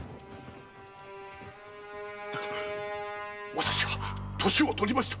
私は歳をとりました！